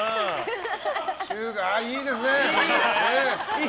いいですね！